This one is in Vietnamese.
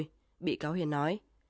thôi bị cáo hiền nói